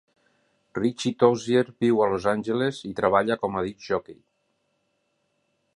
Richi Tozier viu a Los Angeles i treballa com a discjòquei.